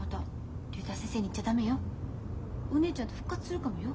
お姉ちゃんと復活するかもよ。